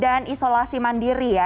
yang isolasi mandiri ya